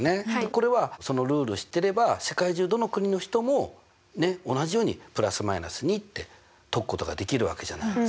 これはそのルールを知ってれば世界中どの国の人も同じように±２って解くことができるわけじゃないですか。